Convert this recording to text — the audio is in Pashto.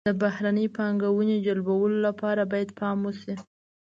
د بهرنۍ پانګونې جلبولو لپاره باید پام وشي.